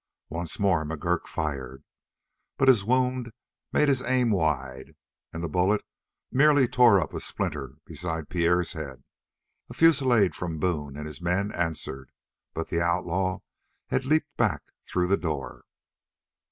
Once more McGurk fired, but his wound made his aim wide and the bullet merely tore up a splinter beside Pierre's head. A fusillade from Boone and his men answered, but the outlaw had leaped back through the door.